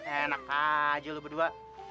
enak aja lu berdua